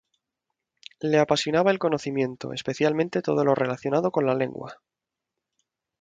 Le apasionaba el conocimiento, especialmente todo lo relacionado con la lengua.